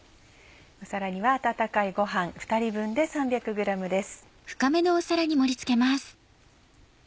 皿には温かいごはん２人分で３００ｇです。